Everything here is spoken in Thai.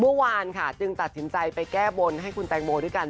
เมื่อวานค่ะจึงตัดสินใจไปแก้บนให้คุณแตงโมด้วยกัน